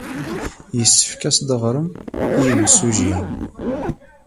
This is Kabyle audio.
Yessefk ad as-d-teɣrem i yemsujji.